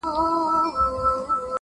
• چي تر څو په دې وطن کي هوښیاران وي -